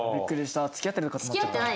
付き合ってるのかと思っちゃった。